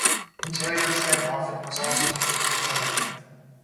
Interior trim often was also unique to Canada.